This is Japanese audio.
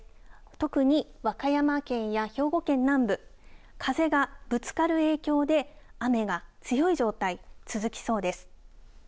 特に和歌山県や兵庫県南部、風がぶつかる影響で雨が強い状態、続きそうです。